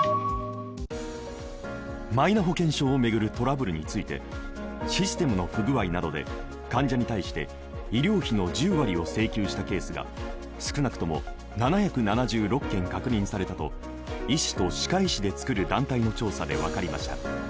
マイナ保険証を巡るトラブルについて、システムの不具合などで患者に対して医療費の１０割を請求したケースが少なくとも７７６件確認されたと医師と歯科医師で作る団体の調査で分かりました。